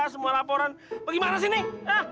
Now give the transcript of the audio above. semua laporan bagaimana sih nih